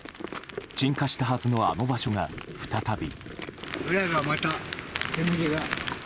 鎮火したはずのあの場所が再び。